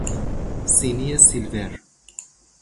سینی سیلور